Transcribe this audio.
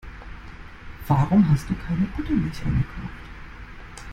Warum hast du keine Buttermilch eingekauft?